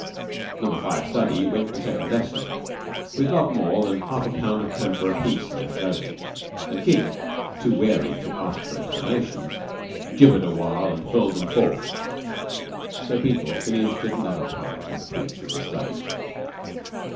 Number Five study went to second lesson with not more than half a pound of camphor apiece in their clothing; and King, too wary to ask for explanations, gibbered a while and hurled them forth. So Beetle finished yet another poem at peace in the study.